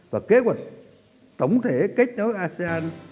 và kế hoạch tổng thể kết nối asean hai nghìn hai mươi